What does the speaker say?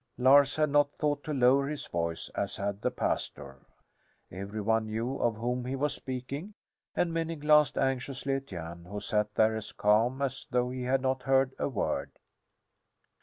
Lars had not thought to lower his voice, as had the pastor. Every one knew of whom he was speaking and many glanced anxiously at Jan, who sat there as calm as though he had not heard a word.